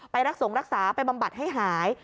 ไปรักษาไปบำบัดให้หาย